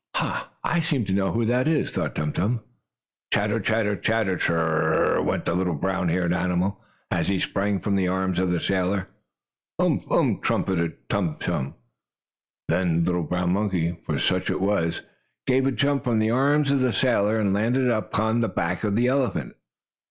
"Ha! I seem to know who that is!" thought Tum Tum. "Chatter! Chatter! Chat! Chur r r r r r!" went the little brown haired animal, as he sprang from the arms of the sailor. "Umph! Umph!" trumpeted Tum Tum. Then the little brown monkey, for such it was, gave a jump from the arms of the sailor, and landed up on the back of the elephant.